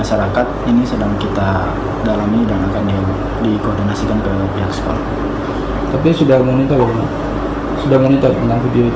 yang melakukan penyelidikan